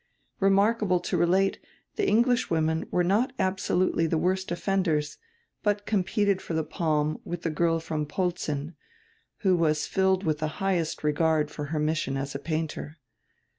Remarkable to relate, die Eng lishwomen were not absolutely tlie worst offenders, but competed for die palm widi die girl from Polzin, who was filled widi die highest regard for her mission as a painter.